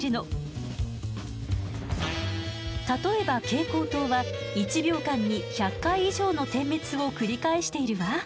例えば蛍光灯は１秒間に１００回以上の点滅を繰り返しているわ。